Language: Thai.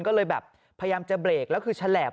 ก็เลยแบบพยายามจะเบรกแล้วคือแฉลบ